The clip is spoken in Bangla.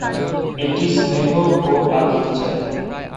এটি স্নেহ ও আদর চাইবে।